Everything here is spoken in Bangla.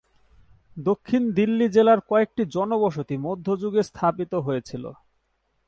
দক্ষিণ দিল্লি জেলার কয়েকটি জনবসতি মধ্যযুগে স্থাপিত হয়েছিল।